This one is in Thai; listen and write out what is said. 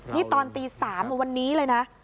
นี่ตอนตี๓วันนี้เลยนะ